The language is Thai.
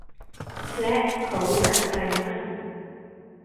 และเขารู้จักใครมั่ง